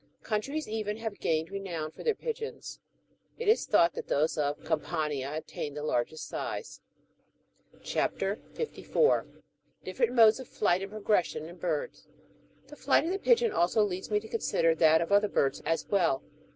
^ Countries even have gained renown for their pigeons ; it is thought that those of Campania attain the largest size. CHAP. 54. (38.) — DIFFERENT MODES OF FLIGHT AND PROGRES SION IN BIRDS. The flight of the pigeon also leads me to consider that of other birds as well.